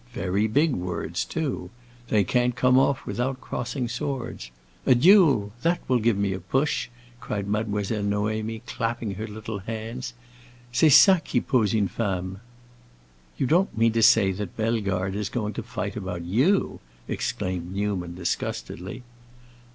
Very big words too. They can't come off without crossing swords. A duel—that will give me a push!" cried Mademoiselle Noémie clapping her little hands. "C'est ça qui pose une femme!" "You don't mean to say that Bellegarde is going to fight about you!" exclaimed Newman disgustedly.